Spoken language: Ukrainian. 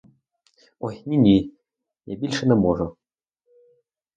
Ой, ні, ні, я більше не можу!